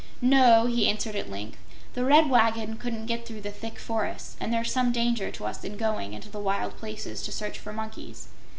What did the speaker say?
"No," he answered at length, "the Red Wagon couldn't get through the thick forests and there's some danger to us in going into the wild places to search for monkeys.